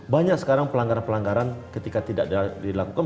banyak sekarang pelanggaran pelanggaran ketika tidak dilakukan